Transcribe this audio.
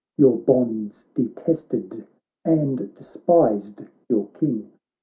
Your bonds detested, and despised your King.